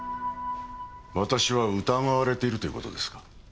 私は疑われているという事ですか。